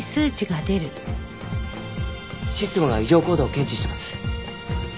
システムが異常行動を検知してます。